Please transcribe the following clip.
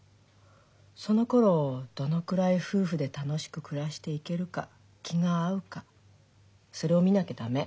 そのころどのくらい夫婦で楽しく暮らしていけるか気が合うかそれを見なきゃ駄目。